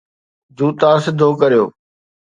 جوتا سڌو ڪريو